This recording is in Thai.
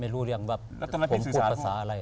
ไม่รู้เรียกว่าผมพูดภาษาอะไร